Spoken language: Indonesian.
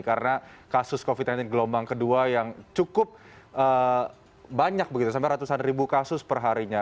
karena kasus covid sembilan belas gelombang kedua yang cukup banyak sampai ratusan ribu kasus perharinya